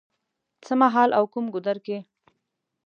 څه مهال او کوم ګودر کې